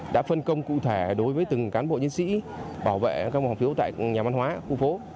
đã phân công cụ thể đối với từng cán bộ chiến sĩ bảo vệ các vòng phiếu tại nhà văn hóa khu phố